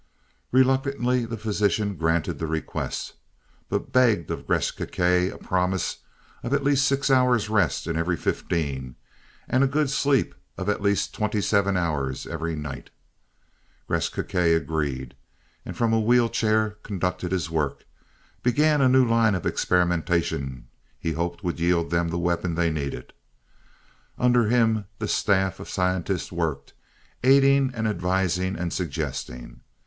Reluctantly the physician granted the request, but begged of Gresth Gkae a promise of at least six hours rest in every fifteen, and a good sleep of at least twenty seven hours every "night." Gresth Gkae agreed, and from a wheelchair, conducted his work, began a new line of experimentation he hoped would yield them the weapon they needed. Under him, the staff of scientists worked, aiding and advising and suggesting.